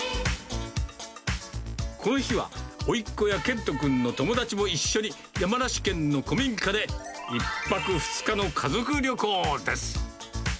この日は、おいっ子や賢斗君の友達も一緒に、山梨県の古民家で１泊２日の家族旅行です。